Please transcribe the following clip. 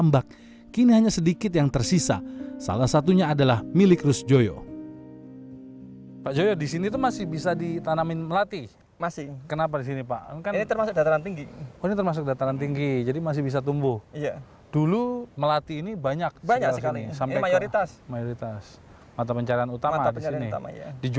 maksudnya yang masih bisa ditanamnya dataran yang masih tinggi